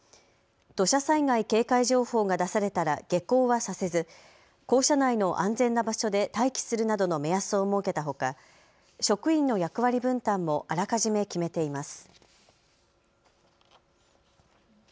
土砂災害警戒情報が出されたら下校はさせず校舎内の安全な場所で待機するなどの目安を設けたほか職員の役割分担もあらかじめ決めています。